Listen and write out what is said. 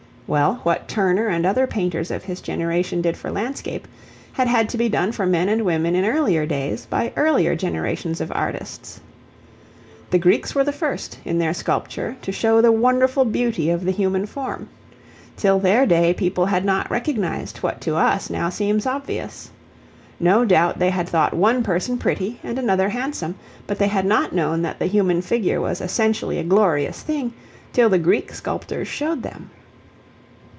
Well, what Turner and other painters of his generation did for landscape, had had to be done for men and women in earlier days by earlier generations of artists. The Greeks were the first, in their sculpture, to show the wonderful beauty of the human form; till their day people had not recognised what to us now seems obvious. No doubt they had thought one person pretty and another handsome, but they had not known that the human figure was essentially a glorious thing till the Greek sculptors showed them.